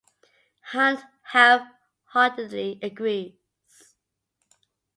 Hunt half-heartedly agrees.